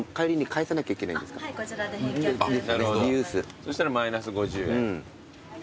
そしたらマイナス５０円。